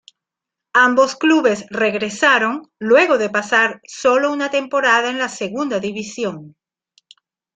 Ambos clubes regresaron luego de pasar solo una temporada en la segunda división.